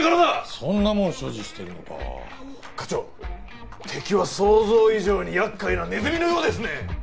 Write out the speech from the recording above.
そんなもん所持してるのか課長敵は想像以上に厄介なネズミのようですね